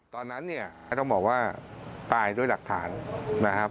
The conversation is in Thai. ตอนนั้นเนี่ยก็ต้องบอกว่าตายด้วยหลักฐานนะครับ